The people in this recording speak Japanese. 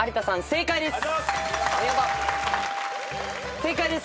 正解です。